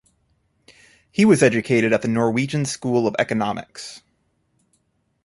He was educated at the Norwegian School of Economics.